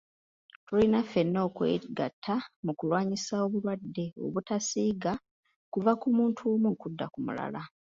Tulina ffenna okwegatta mu kulwanyisa obulwadde obutasiiga kuva ku muntu omu okudda ku mulala.